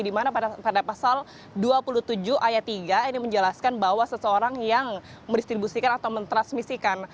dimana pada pasal dua puluh tujuh ayat tiga ini menjelaskan bahwa seseorang yang mendistribusikan atau mentransmisikan